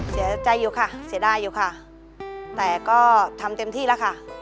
เสียใจอยู่ค่ะเสียดายอยู่ค่ะแต่ก็ทำเต็มที่แล้วค่ะ